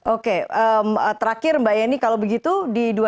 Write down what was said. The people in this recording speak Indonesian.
oke terakhir mbak yeni kalau begitu di dua ribu dua puluh